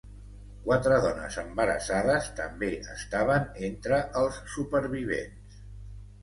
Quatre dones embarassades també estaven entre els supervivents.